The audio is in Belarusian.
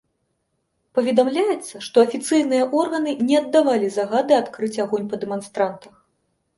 Паведамляецца, што афіцыйныя органы не аддавалі загады адкрыць агонь па дэманстрантах.